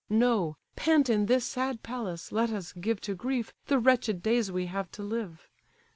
No—pent in this sad palace, let us give To grief the wretched days we have to live.